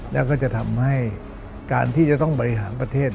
แล้วก็จะทำให้การที่จะต้องบริหารประเทศ